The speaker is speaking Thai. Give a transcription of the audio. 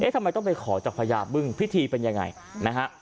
ทำไมต้องไปขอจากพญาบึ้งพิธีเป็นยังไงนะฮะ